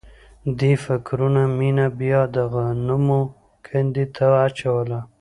دې فکرونو مينه بیا د غمونو کندې ته اچوله